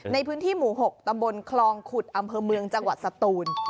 ในพื้นที่หมู่๖ตำบลคลองขุดอำเภอเมืองจังหวัดสตูน